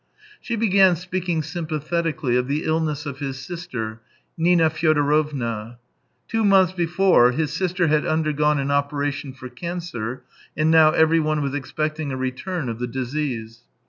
She began speaking sympathetically of the illness of his sister, Nina Fyodorovna. Two months before his sister had undergone an opera tion for cancer, and now everyone was expecting a return of the disease.